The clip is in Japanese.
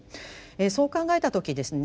そう考えた時ですね